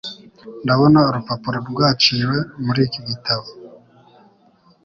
Ndabona urupapuro rwaciwe muri iki gitabo.